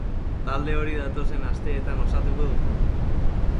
Talde hori datozen asteetan osatuko dute.